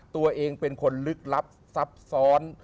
ตัวเองเป็นคนลึกลับซับซ้อน